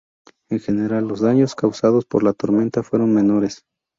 En general los daños causados por la tormenta fueron menores.